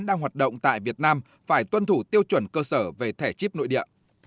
đang hoạt động tại việt nam phải tuân thủ tiêu chuẩn cơ sở về thẻ chip nội địa